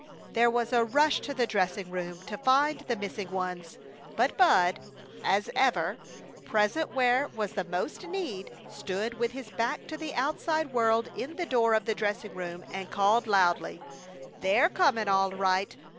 There was a rush to the dressing room to find the missing ones; but Bud, as ever, present where was the most need, stood with his back to the outside world in the door of the dressing room and called loudly: "They're comin', all right.